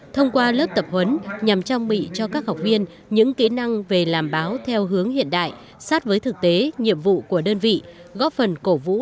thông qua lớp tập huấn nhằm trang bị cho các học viên những kỹ năng về làm báo theo hướng hiện đại sát với thực tế nhiệm vụ của đơn vị góp phần cổ vũ